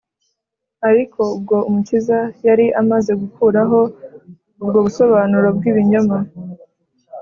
. Ariko ubwo Umukiza yari amaze gukuraho ubwo busobanuro bw’ibinyoma